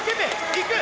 いく！